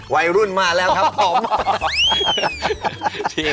ยังไง